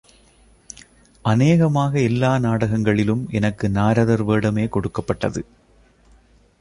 அநேகமாக எல்லா நாடகங்களிலும் எனக்கு நாரதர் வேடமே கொடுக்கப்பட்டது.